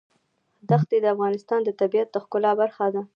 ښتې د افغانستان د طبیعت د ښکلا برخه ده.